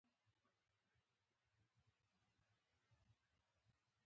په دې منځ کې سلګونه ښځې او ماشومان وو.